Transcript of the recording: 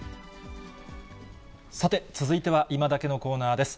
さて、続いてはいまダケッのコーナーです。